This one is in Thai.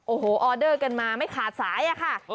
โอ้โหออเดอร์กันมาไม่ขาดสายอะค่ะ